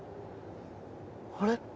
あれ？